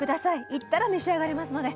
行ったら召し上がれますので。